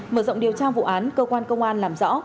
mở rộng điều tra vụ án cơ quan công an làm rõ